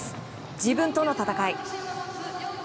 自分との戦い。